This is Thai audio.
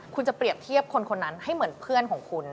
คุณจะเปรียบเทียบคนคนนั้นให้เหมือนเพื่อนของคุณ